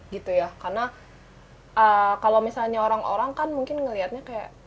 gitu ya karena kalau misalnya orang orang kan mungkin ngelihatnya kayak